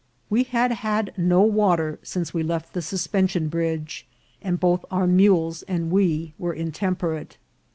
We had had no water since we left the suspension bridge, and both our mules and we were intemperate.